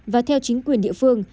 và theo chính quyền địa phương